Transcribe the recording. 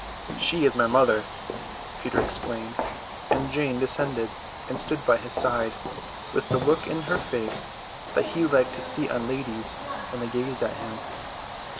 "She is my mother," Peter explained; and Jane descended and stood by his side, with the look in her face that he liked to see on ladies when they gazed at him.